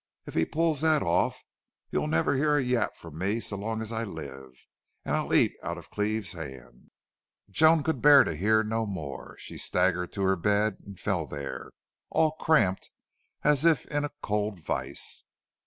"If he pulls thet off you'll never hear a yap from me so long as I live. An' I'll eat out of Cleve's hand." Joan could bear to hear no more. She staggered to her bed and fell there, all cramped as if in a cold vise.